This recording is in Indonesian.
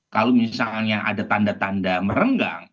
kalau misalnya ada tanda tanda merenggang